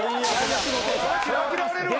そら嫌われるわ。